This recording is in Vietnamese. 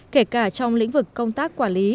kể cả trong lĩnh vực công tác quản lý